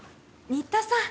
新田さん